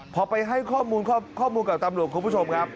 พอไปให้ข้อมูลกับตามรวจคุณพอร์ชมครับ